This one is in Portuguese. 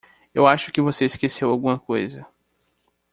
Eu acho que você esqueceu alguma coisa.